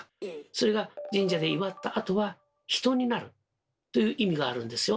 それが神社で祝ったあとは「人」になるという意味があるんですよ。